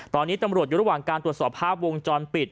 ตอนนี้ตำรวจอยู่ระหว่างการตรวจสอบภาพวงจรปิด